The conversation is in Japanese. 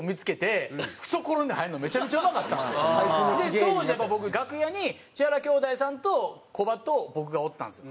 当時僕楽屋に千原兄弟さんとコバと僕がおったんですよ。